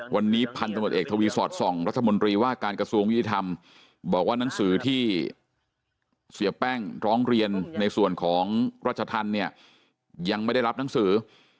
วันนี้พันธมด๓๔๒รัฐมนตรีว่าการกระทรวงวิทยาธรรมบอกว่านังสีที่เสียแป้งร้องเรียนในส่วนของรัชทำเนี่ยยังไม่ได้รับนังสี